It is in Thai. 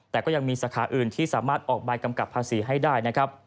แต่ก็ยังมีสาขาอื่นที่สามารถออกใบกำกับภาษีให้ได้นะครับ